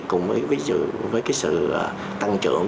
cùng với sự tăng trưởng